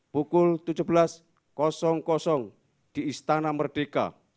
pukul tujuh belas di istana merdeka